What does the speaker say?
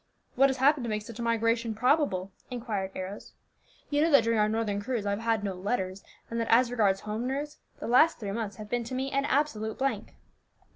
"What has happened to make such a migration probable?" inquired Arrows. "You know that during our northern cruise I have had no letters, and that as regards home news, the last three months have been to me an absolute blank."